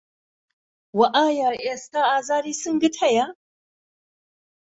و ئایا ئێستا ئازاری سنگت هەیە؟